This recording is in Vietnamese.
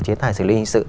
chiến thái xử lý hình sự